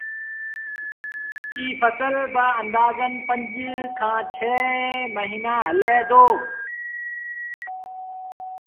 ايٚ ڦسل با آݩدآزن پنج کآݩ ڇه موهيݩآݩ هلي دو